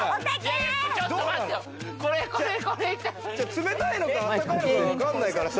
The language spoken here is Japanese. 冷たいのかあったかいのか、わかんないからさ。